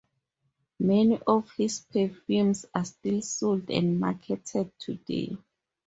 Many of his perfumes are still sold and marketed today.